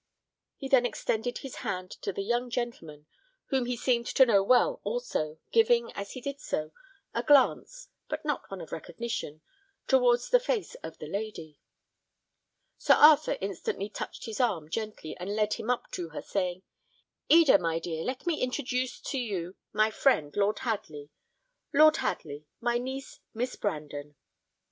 He then extended his hand to the young gentleman, whom he seemed to know well also, giving as he did so, a glance, but not one of recognition, towards the face of the lady. Sir Arthur instantly touched his arm gently, and led him up to her, saying, "Eda, my dear, let me introduce to you my friend, Lord Hadley Lord Hadley, my niece, Miss Brandon."